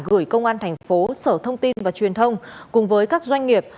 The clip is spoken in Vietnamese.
gửi công an thành phố sở thông tin và truyền thông cùng với các doanh nghiệp